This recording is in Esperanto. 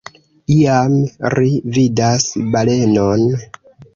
Iam, ri vidas balenon.